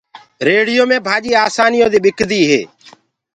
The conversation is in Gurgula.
ريڙهيو مي ڀآڃيٚ آسآنيٚ يو دي ٻڪديٚ هي۔